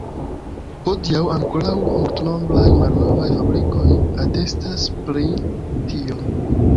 Hodiaŭ ankoraŭ multnombraj malnovaj fabrikoj atestas pri tio.